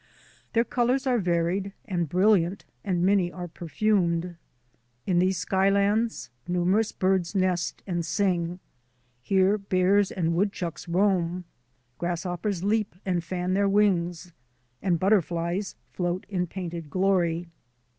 Their colours are varied and brilliant and many are perfumed. In these sky lands numerous birds nest and sing; here bears and woodchucks roam; grasshoppers leap and fan their wings, and butterflies float in painted glory.